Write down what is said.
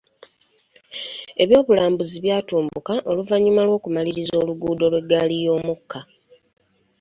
Eby'obulambuzi byatumbuka oluvanyuma lwokumaliriza oluguudo lw'eggaali y'omukka.